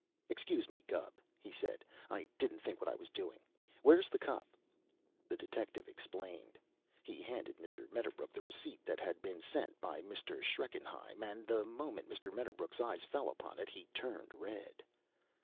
"Excuse me, Gubb," he said; "I didn't think what I was doing. Where is the cup?" The detective explained. He handed Mr. Medderbrook the receipt that had been sent by Mr. Schreckenheim, and the moment Mr. Medderbrook's eyes fell upon it he turned red.